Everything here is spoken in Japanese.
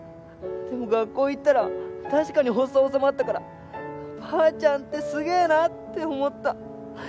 でも学校行ったら確かに発作治まったからばあちゃんってすげえなって思った。